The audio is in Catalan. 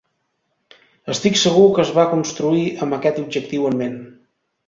Estic segur que es va construir amb aquest objectiu en ment.